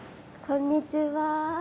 こんにちは。